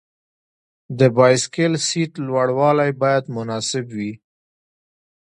د بایسکل سیټ لوړوالی باید مناسب وي.